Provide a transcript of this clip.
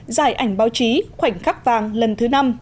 giải ảnh báo chí khoảnh khắc vàng lần thứ năm